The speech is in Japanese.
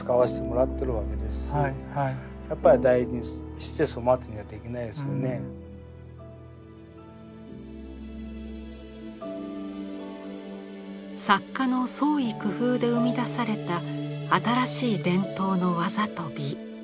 そしたらそういう作家の創意工夫で生み出された新しい伝統の技と美。